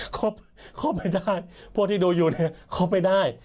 ครบครบไม่ได้พวกที่ดูอยู่เนี่ยครบไม่ได้